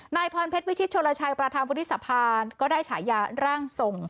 นายพรเพชรวิชิตโชลชัยประธานวุฒิสภาก็ได้ฉายาร่างทรง